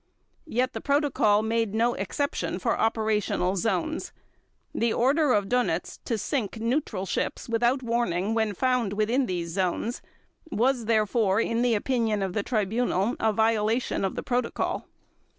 Yet the Protocol made no exception for operational zones. The order of Dönitz to sink neutral ships without warning when found within these zones was therefore, in the opinion of the Tribunal, a violation of the Protocol.